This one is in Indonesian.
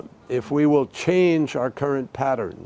jika kita akan mengubah paten kita sekarang